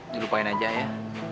dilupain aja ya